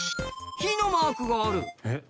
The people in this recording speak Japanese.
火のマークがある。